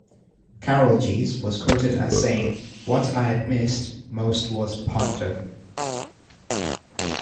Carolgees was quoted as saying "What I had missed most was panto".